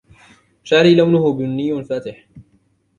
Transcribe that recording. شعري لونه بني فاتح.